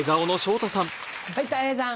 はいたい平さん。